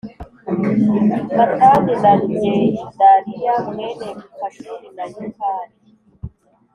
Matani na Gedaliya mwene Pashuri na Yukali